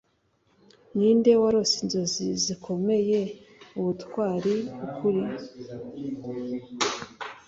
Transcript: Ninde warose inzozi zikomeye ubutwari ukuri